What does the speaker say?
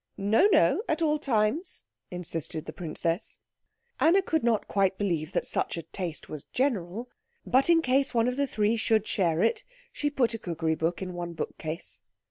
"No, no, at all times," insisted the princess. Anna could not quite believe that such a taste was general; but in case one of the three should share it, she put a cookery book in one bookcase.